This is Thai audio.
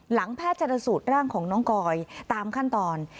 แพทย์ชนสูตรร่างของน้องกอยตามขั้นตอน